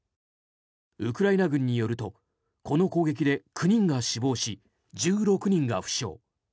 ウクライナ軍によるとこの攻撃で９人が死亡し１６人が負傷。